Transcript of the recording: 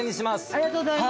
ありがとうございます。